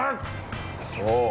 そう？